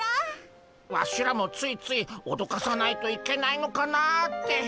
ワシらもついついおどかさないといけないのかなって。